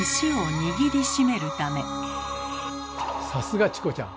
さすがチコちゃん！